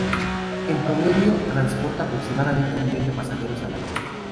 En promedio transporta aproximadamente un millón de pasajeros al año.